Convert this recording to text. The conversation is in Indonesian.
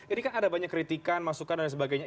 ini kan ada banyak kritikan masukan dan sebagainya